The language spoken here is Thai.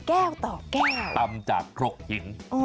แก้วต่อแก้วปัมจากกรกหิง